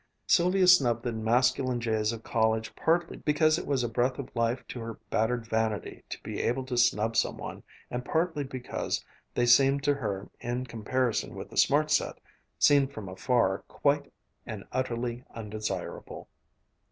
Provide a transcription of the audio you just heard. Sylvia snubbed the masculine jays of college partly because it was a breath of life to her battered vanity to be able to snub some one, and partly because they seemed to her, in comparison with the smart set, seen from afar, quite and utterly undesirable.